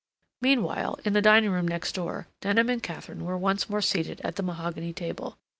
Meanwhile, in the dining room next door, Denham and Katharine were once more seated at the mahogany table.